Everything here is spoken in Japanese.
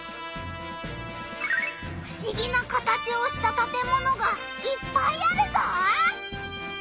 ふしぎな形をしたたてものがいっぱいあるぞ！